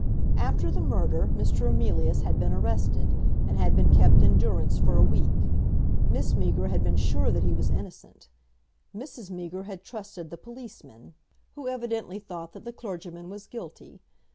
After the murder Mr. Emilius had been arrested, and had been kept in durance for a week. Miss Meager had been sure that he was innocent; Mrs. Meager had trusted the policemen, who evidently thought that the clergyman was guilty.